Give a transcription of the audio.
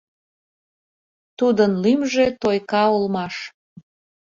Тудын лӱмжӧ Тойка улмаш.